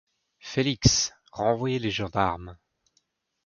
Félix, renvoyez les gendarmes...